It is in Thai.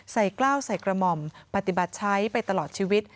กล้าวใส่กระหม่อมปฏิบัติใช้ไปตลอดชีวิต